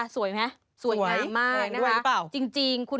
สวยไหมสวยงามมากนะฮะ